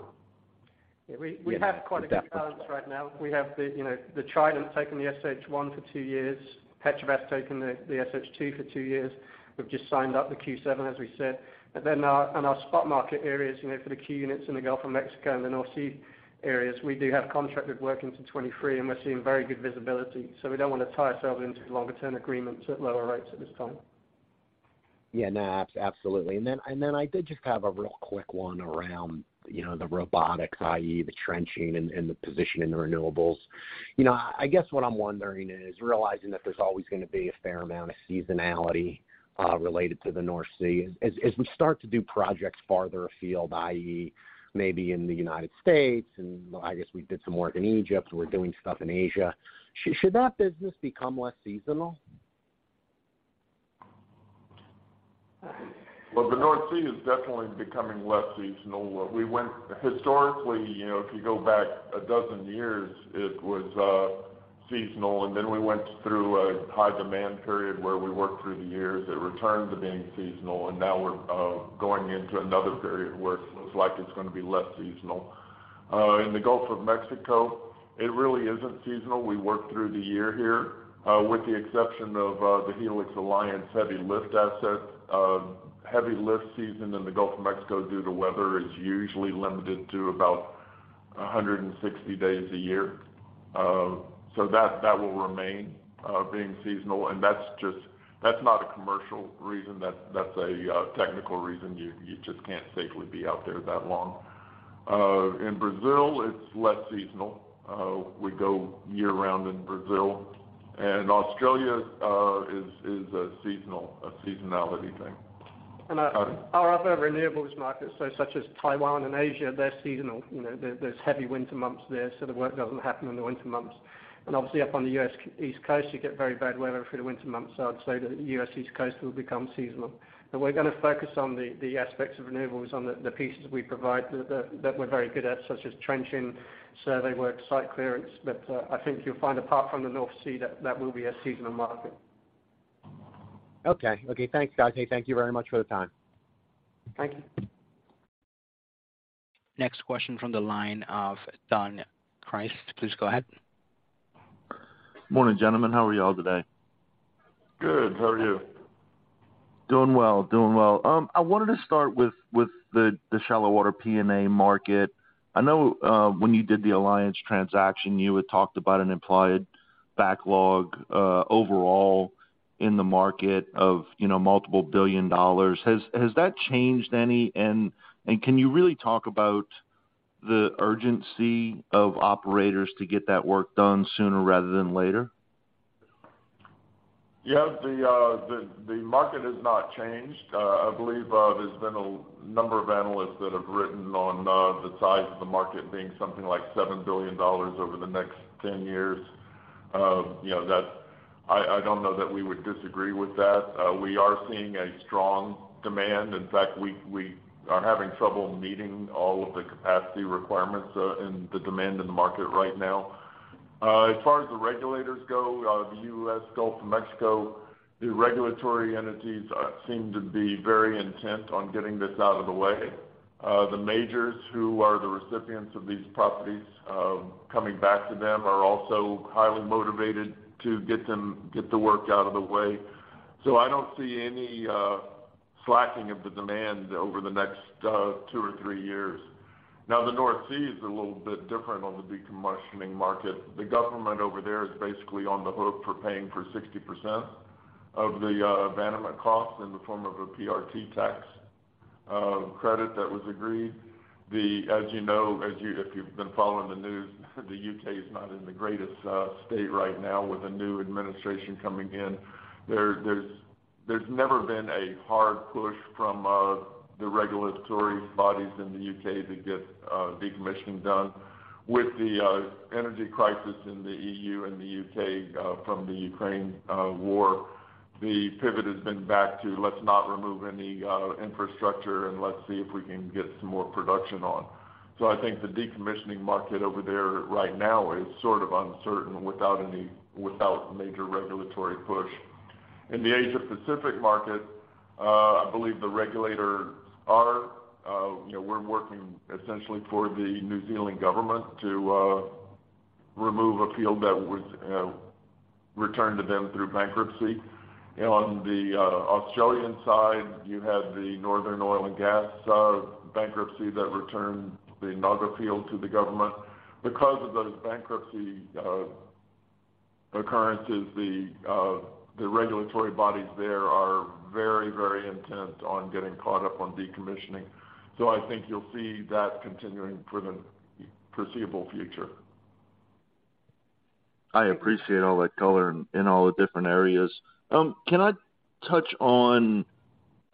Yeah. We have quite a good balance right now. We have, you know, the Trident taking the SH1 for two years. Petrobras taking the SH2 for two years. We've just signed up the Q7, as we said. But then in our spot market areas, you know, for the Q units in the Gulf of Mexico and the North Sea areas, we do have contracted work into 2023, and we're seeing very good visibility. We don't wanna tie ourselves into longer term agreements at lower rates at this time. Yeah, no, absolutely. I did just have a real quick one around, you know, the robotics, i.e., the trenching and the position in the renewables. You know, I guess what I'm wondering is realizing that there's always gonna be a fair amount of seasonality related to the North Sea. As we start to do projects farther afield, i.e., maybe in the United States and I guess we did some work in Egypt, we're doing stuff in Asia. Should that business become less seasonal? Well, the North Sea is definitely becoming less seasonal. We went historically, you know, if you go back a dozen years, it was seasonal, and then we went through a high demand period where we worked through the years. It returned to being seasonal, and now we're going into another period where it looks like it's gonna be less seasonal. In the Gulf of Mexico, it really isn't seasonal. We work through the year here with the exception of the Helix Alliance heavy lift asset. Heavy lift season in the Gulf of Mexico due to weather is usually limited to about 160 days a year. So that will remain being seasonal. That's just not a commercial reason. That's a technical reason. You just can't safely be out there that long. In Brazil, it's less seasonal. We go year-round in Brazil. Australia is a seasonality thing. Pardon? Our other renewables markets, such as Taiwan and Asia, they're seasonal. You know, there's heavy winter months there, so the work doesn't happen in the winter months. Obviously up on the U.S. East Coast, you get very bad weather through the winter months. I'd say the U.S. East Coast will become seasonal. We're gonna focus on the aspects of renewables on the pieces we provide that we're very good at, such as trenching, survey work, site clearance. I think you'll find apart from the North Sea that that will be a seasonal market. Okay. Okay, thanks guys. Thank you very much for the time. Thank you. Next question from the line of Don Crist. Please go ahead. Morning, gentlemen. How are you all today? Good. How are you? Doing well. I wanted to start with the shallow water P&A market. I know when you did the Alliance transaction, you had talked about an implied backlog overall in the market of, you know, multiple billion dollars. Has that changed any? Can you really talk about the urgency of operators to get that work done sooner rather than later? Yeah. The market has not changed. I believe there's been a number of analysts that have written on the size of the market being something like $7 billion over the next 10 years, you know, that I don't know that we would disagree with that. We are seeing a strong demand. In fact, we are having trouble meeting all of the capacity requirements with the demand in the market right now. As far as the regulators go, the U.S. Gulf of Mexico, the regulatory entities seem to be very intent on getting this out of the way. The majors who are the recipients of these properties coming back to them are also highly motivated to get the work out of the way. I don't see any slacking of the demand over the next two or three years. Now, the North Sea is a little bit different on the decommissioning market. The government over there is basically on the hook for paying for 60% of the abandonment costs in the form of a PRT tax credit that was agreed. As you know, if you've been following the news, the U.K. is not in the greatest state right now with a new administration coming in. There's never been a hard push from the regulatory bodies in the U.K. to get decommissioning done. With the energy crisis in the EU and the U.K. from the Ukraine war, the pivot has been back to, "Let's not remove any infrastructure, and let's see if we can get some more production on." I think the decommissioning market over there right now is sort of uncertain without major regulatory push. In the Asia Pacific market, I believe the regulators are, you know, we're working essentially for the New Zealand government to remove a field that was returned to them through bankruptcy. On the Australian side, you had the Northern oil and gas bankruptcy that returned the Norgor field to the government. Because of those bankruptcy occurrences, the regulatory bodies there are very, very intent on getting caught up on decommissioning. I think you'll see that continuing for the foreseeable future. I appreciate all that color in all the different areas. Can I touch on two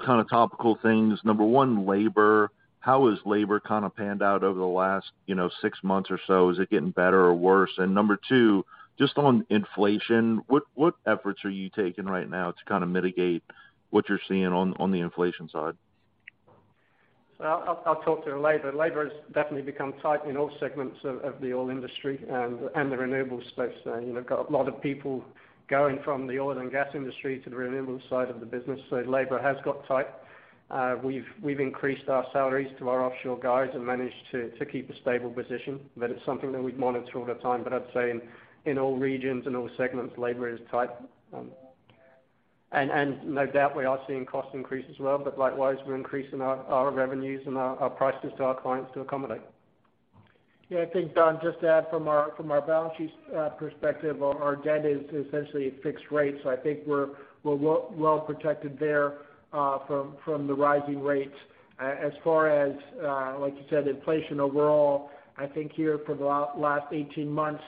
kind of topical things? Number one, labor. How has labor kind of panned out over the last, you know, six months or so? Is it getting better or worse? Number two, just on inflation, what efforts are you taking right now to kind of mitigate what you're seeing on the inflation side? I'll talk to labor. Labor has definitely become tight in all segments of the oil industry and the renewable space. You know, got a lot of people going from the oil and gas industry to the renewable side of the business. Labor has got tight. We've increased our salaries to our offshore guys and managed to keep a stable position, but it's something that we'd monitor all the time. I'd say in all regions and all segments, labor is tight. And no doubt we are seeing cost increase as well, but likewise, we're increasing our revenues and our prices to our clients to accommodate. Yeah. I think, Don, just to add from our balance sheet perspective, our debt is essentially a fixed rate. I think we're well protected there from the rising rates. As far as, like you said, inflation overall, I think here for the last 18 months,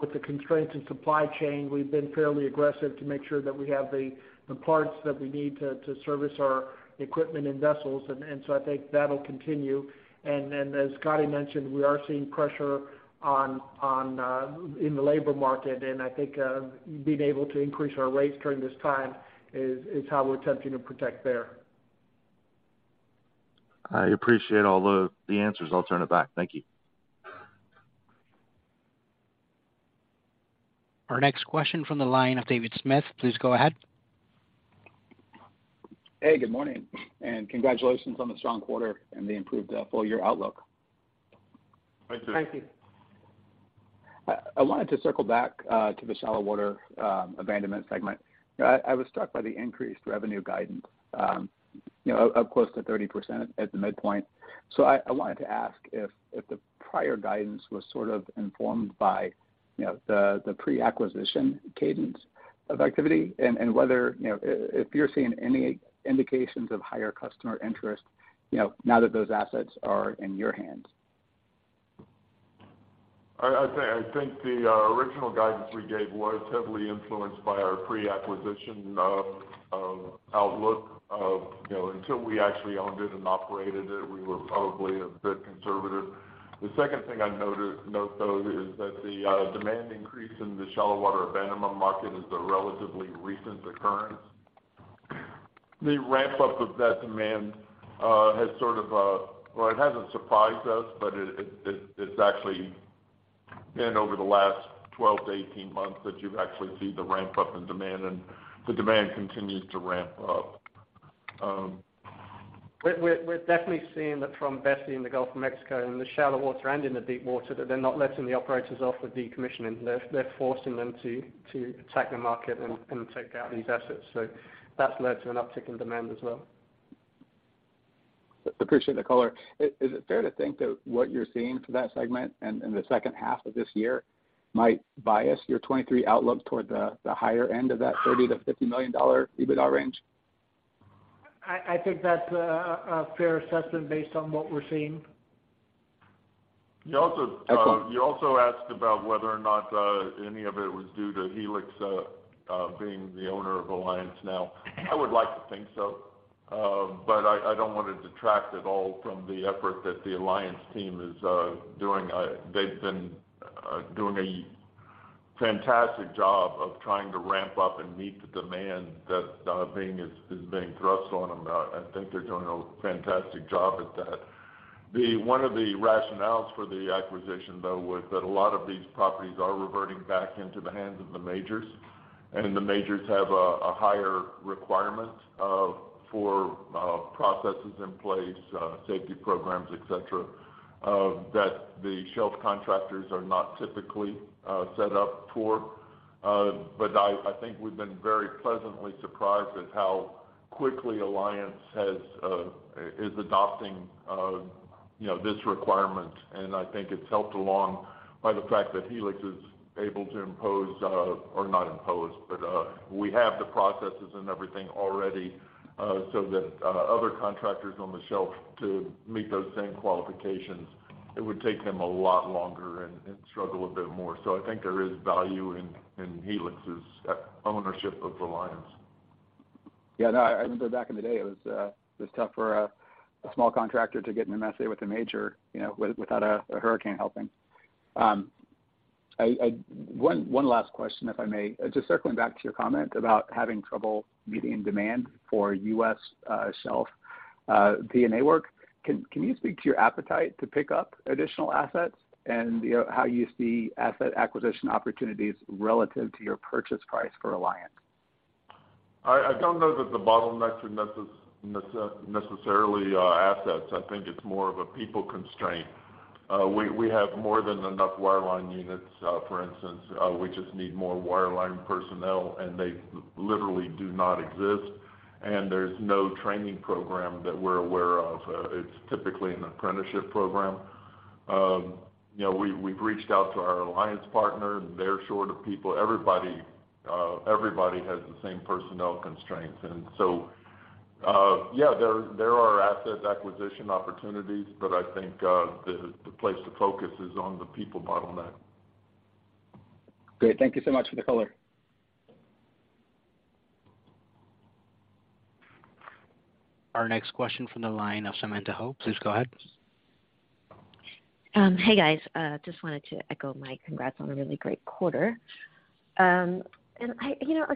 with the constraints in supply chain, we've been fairly aggressive to make sure that we have the parts that we need to service our equipment and vessels. As Scotty mentioned, we are seeing pressure on in the labor market. I think being able to increase our rates during this time is how we're attempting to protect there. I appreciate all the answers. I'll turn it back. Thank you. Our next question from the line of David Smith. Please go ahead. Hey, good morning, and congratulations on the strong quarter and the improved full year outlook. Thank you. Thank you. I wanted to circle back to the shallow water abandonment segment. I was struck by the increased revenue guidance, you know, up close to 30% at the midpoint. I wanted to ask if the prior guidance was sort of informed by, you know, the pre-acquisition cadence of activity and whether, you know, if you're seeing any indications of higher customer interest, you know, now that those assets are in your hands. I think the original guidance we gave was heavily influenced by our pre-acquisition outlook of, you know, until we actually owned it and operated it, we were probably a bit conservative. The second thing I note though is that the demand increase in the shallow water abandonment market is a relatively recent occurrence. The ramp-up of that demand has sort of. Well, it hasn't surprised us, but it's actually been over the last 12-18 months that you actually see the ramp-up in demand, and the demand continues to ramp up. We're definitely seeing that from BSEE in the Gulf of Mexico, in the shallow water and in the deep water, that they're not letting the operators off with decommissioning. They're forcing them to attack the market and take out these assets. That's led to an uptick in demand as well. Appreciate the color. Is it fair to think that what you're seeing for that segment and in the second half of this year might bias your 2023 outlook toward the higher end of that $30 million-$50 million EBITDA range? I think that's a fair assessment based on what we're seeing. You also asked about whether or not any of it was due to Helix being the owner of Alliance now. I would like to think so. But I don't wanna detract at all from the effort that the Alliance team is doing. They've been doing a fantastic job of trying to ramp up and meet the demand that is being thrust on them. I think they're doing a fantastic job at that. One of the rationales for the acquisition though was that a lot of these properties are reverting back into the hands of the majors. The majors have a higher requirement for processes in place, safety programs, et cetera, that the shelf contractors are not typically set up for. I think we've been very pleasantly surprised at how quickly Alliance is adopting, you know, this requirement. I think it's helped along by the fact that Helix is able to impose or not impose, but we have the processes and everything already, so that other contractors on the shelf to meet those same qualifications, it would take them a lot longer and struggle a bit more. I think there is value in Helix's ownership of Alliance. Yeah, no. I remember back in the day it was tough for a small contractor to get an MSA with a major, you know, without a hurricane helping. One last question, if I may. Just circling back to your comment about having trouble meeting demand for US shelf D&A work. Can you speak to your appetite to pick up additional assets and, you know, how you see asset acquisition opportunities relative to your purchase price for Alliance? I don't know that the bottleneck should necessarily assets. I think it's more of a people constraint. We have more than enough wireline units, for instance. We just need more wireline personnel and they literally do not exist, and there's no training program that we're aware of. It's typically an apprenticeship program. You know, we've reached out to our Alliance partner and they're short of people. Everybody has the same personnel constraints. There are asset acquisition opportunities, but I think the place to focus is on the people bottleneck. Great. Thank you so much for the color. Our next question from the line of Samantha Hoh. Please go ahead. Hey, guys. Just wanted to echo my congrats on a really great quarter. You know,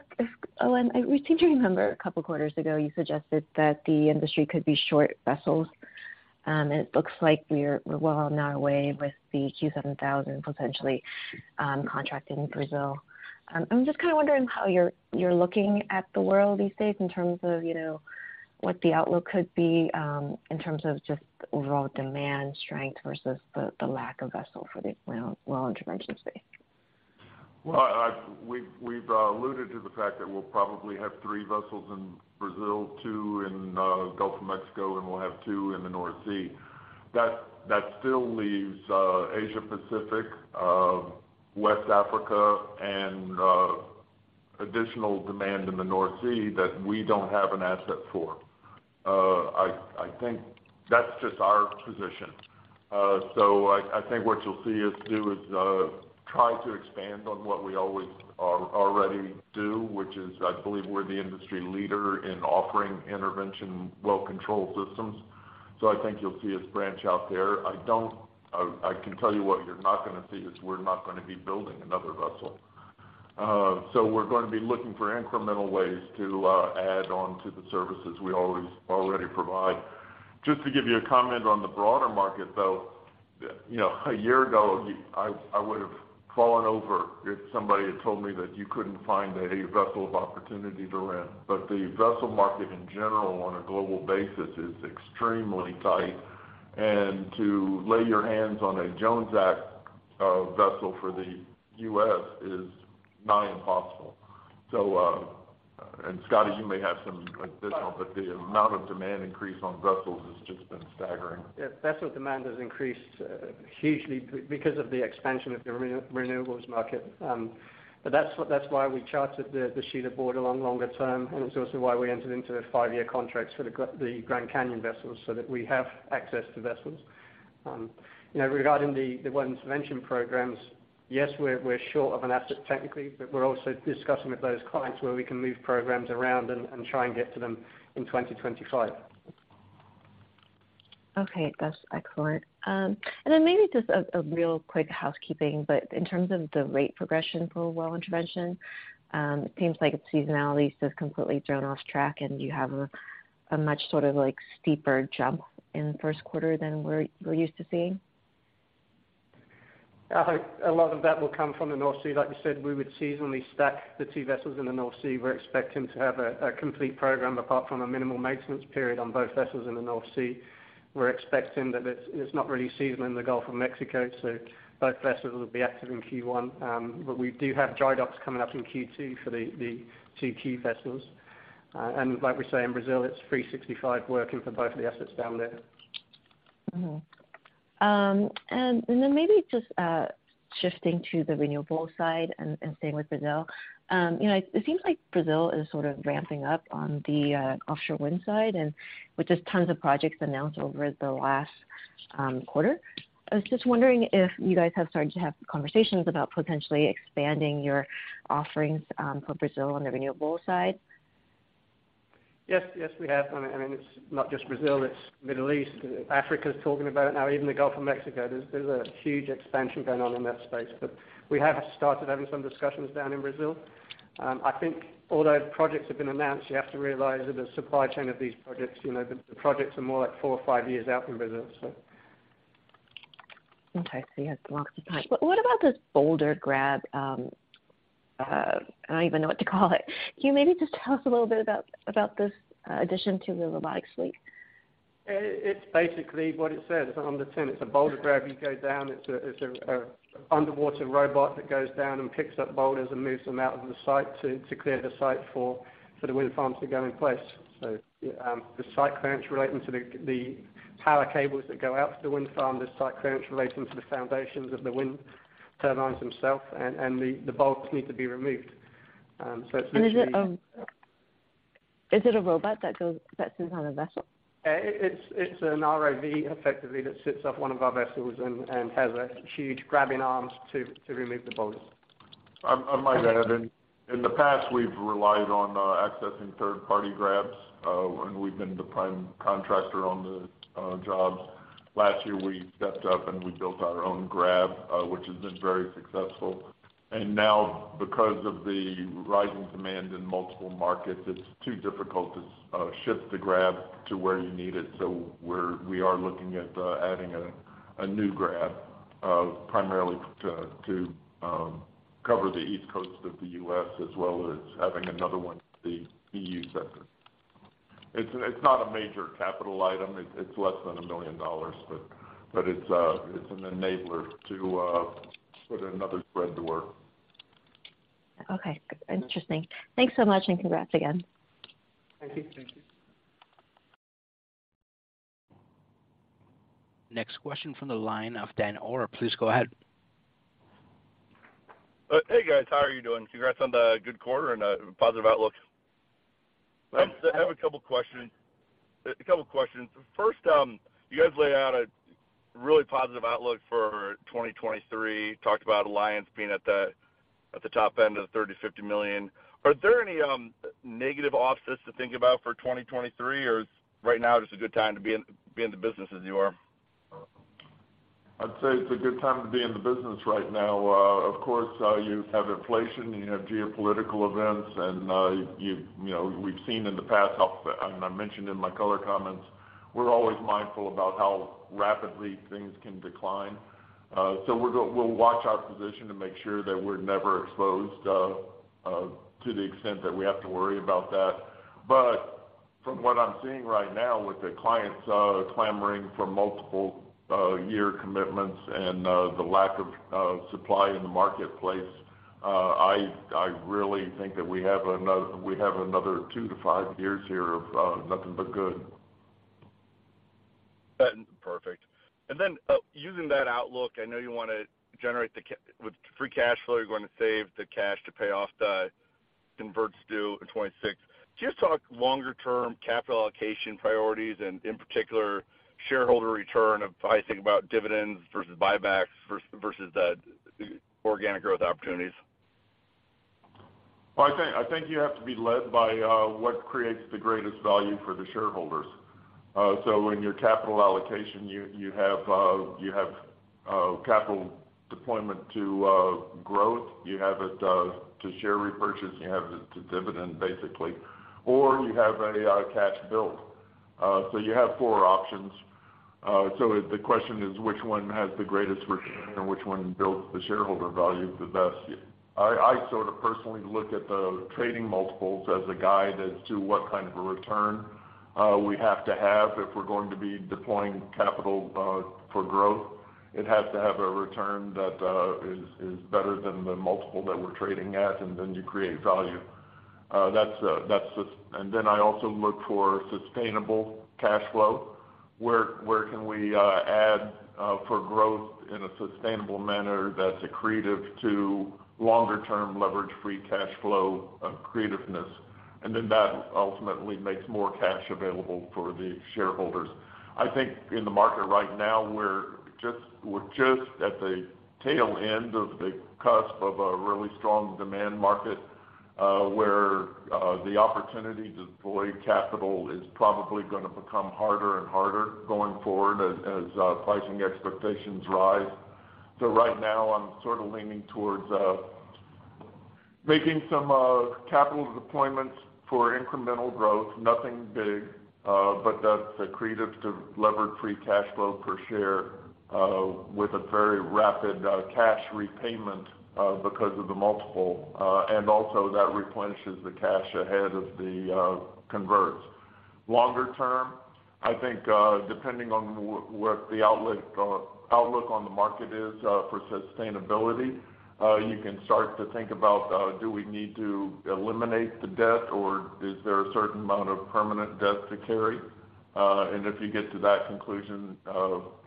Owen, I seem to remember a couple quarters ago you suggested that the industry could be short vessels, and it looks like we're well on our way with the Q7000 potential contract in Brazil. I'm just kinda wondering how you're looking at the world these days in terms of, you know, what the outlook could be, in terms of just overall demand strength versus the lack of vessel for the, you know, well intervention space? We've alluded to the fact that we'll probably have three vessels in Brazil, two in Gulf of Mexico, and we'll have two in the North Sea. That still leaves Asia Pacific, West Africa, and additional demand in the North Sea that we don't have an asset for. I think that's just our position. I think what you'll see us do is try to expand on what we already do, which is I believe we're the industry leader in offering intervention well control systems. I think you'll see us branch out there. I can tell you what you're not gonna see, is we're not gonna be building another vessel. We're gonna be looking for incremental ways to add on to the services we already provide. Just to give you a comment on the broader market, though, a year ago, I would've fallen over if somebody had told me that you couldn't find a vessel of opportunity to rent. The vessel market in general on a global basis is extremely tight. To lay your hands on a Jones Act vessel for the U.S. is nigh on impossible. Scotty, you may have some additional, but the amount of demand increase on vessels has just been staggering. Yeah, vessel demand has increased hugely because of the expansion of the renewables market. That's why we chartered the Shelia Bordelon a longer term, and it's also why we entered into the five-year contracts for the Grand Canyon vessels, so that we have access to vessels. You know, regarding the well intervention programs, yes, we're short of an asset technically, but we're also discussing with those clients where we can move programs around and try and get to them in 2025. Okay. That's excellent. Maybe just a real quick housekeeping, but in terms of the rate progression for well intervention, it seems like seasonality is just completely thrown off track and you have a much sort of like steeper jump in the first quarter than we're used to seeing. I hope a lot of that will come from the North Sea. Like we said, we would seasonally stack the two vessels in the North Sea. We're expecting to have a complete program apart from a minimal maintenance period on both vessels in the North Sea. We're expecting that it's not really seasonal in the Gulf of Mexico, so both vessels will be active in Q1. We do have dry docks coming up in Q2 for the two key vessels. Like we say, in Brazil, it's 365 working for both of the assets down there. Maybe just shifting to the renewables side and staying with Brazil. You know, it seems like Brazil is sort of ramping up on the offshore wind side, and with just tons of projects announced over the last quarter. I was just wondering if you guys have started to have conversations about potentially expanding your offerings for Brazil on the renewable side? Yes. Yes, we have. I mean, it's not just Brazil, it's Middle East. Africa's talking about it now, even the Gulf of Mexico. There's a huge expansion going on in that space. We have started having some discussions down in Brazil. I think all those projects have been announced. You have to realize that the supply chain of these projects, you know, the projects are more like four or five years out in Brazil, so. Okay. Yes, lots of time. What about this boulder grab? I don't even know what to call it. Can you maybe just tell us a little bit about this addition to the robotics suite? It's basically what it says on the tin. It's a boulder grab. You go down, it's an underwater robot that goes down and picks up boulders and moves them out of the site to clear the site for the wind farms to go in place. The site clearance relating to the power cables that go out to the wind farm, the site clearance relating to the foundations of the wind turbines themselves and the boulders need to be removed. It's literally- Is it a robot that sits on a vessel? It's an ROV, effectively, that sits off one of our vessels, and has a huge grabbing arms to remove the boulders. I might add, in the past, we've relied on accessing third-party grabs when we've been the prime contractor on the jobs. Last year, we stepped up, and we built our own grab, which has been very successful. Now, because of the rising demand in multiple markets, it's too difficult to ship the grab to where you need it. We are looking at adding a new grab primarily to cover the East Coast of the U.S., as well as having another one in the EU sector. It's not a major capital item. It's less than $1 million, but it's an enabler to put another spread to work. Okay. Interesting. Thanks so much, and congrats again. Thank you. Thank you. Next question from the line of Daniel Stuart. Please go ahead. Hey, guys. How are you doing? Congrats on the good quarter and a positive outlook. Thanks. I have a couple questions. First, you guys laid out a really positive outlook for 2023. Talked about Alliance being at the top end of the $30 million-$50 million. Are there any negative offsets to think about for 2023, or right now it's a good time to be in the business as you are? I'd say it's a good time to be in the business right now. Of course, you have inflation, you have geopolitical events, and you know, we've seen in the past, and I mentioned in my color comments. We're always mindful about how rapidly things can decline. We'll watch our position to make sure that we're never exposed to the extent that we have to worry about that. From what I'm seeing right now with the clients clamoring for multiple year commitments and the lack of supply in the marketplace, I really think that we have another 2-5 years here of nothing but good. Perfect. Using that outlook, I know you wanna generate, with free cash flow, you're gonna save the cash to pay off the converts due in 2026. Can you just talk longer-term capital allocation priorities and, in particular, shareholder return if I think about dividends versus buybacks versus the organic growth opportunities? I think you have to be led by what creates the greatest value for the shareholders. In your capital allocation, you have capital deployment to growth. You have it to share repurchase, you have it to dividend basically, or you have a cash build. You have four options. The question is which one has the greatest return ,and which one builds the shareholder value the best. I sort of personally look at the trading multiples as a guide as to what kind of a return we have to have if we're going to be deploying capital for growth. It has to have a return that is better than the multiple that we're trading at, and then you create value. That's the- I also look for sustainable cash flow. Where can we add for growth in a sustainable manner that's accretive to longer term leverage-free cash flow, accretiveness. That ultimately makes more cash available for the shareholders. I think in the market right now, we're just at the tail end of the cusp of a really strong demand market, where the opportunity to deploy capital is probably gonna become harder and harder going forward as pricing expectations rise. Right now, I'm sort of leaning towards making some capital deployments for incremental growth. Nothing big, but that's accretive to levered free cash flow per share, with a very rapid cash repayment, because of the multiple. That replenishes the cash ahead of the converts. Longer term, I think, depending on what the outlook on the market is, for sustainability, you can start to think about, do we need to eliminate the debt or is there a certain amount of permanent debt to carry? If you get to that conclusion,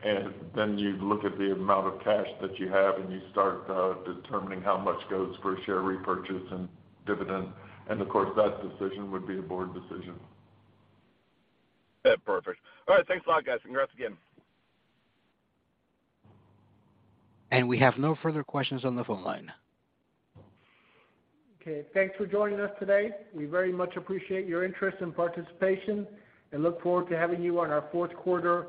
and then you look at the amount of cash that you have and you start, determining how much goes for a share repurchase and dividend. Of course, that decision would be a board decision. Yeah, perfect. All right. Thanks a lot, guys. Congrats again. We have no further questions on the phone line. Okay. Thanks for joining us today. We very much appreciate your interest and participation, and look forward to having you on our fourth quarter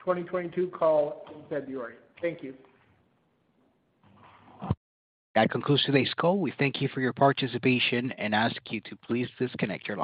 2022 call in February. Thank you. That concludes today's call. We thank you for your participation and ask you to please disconnect your line.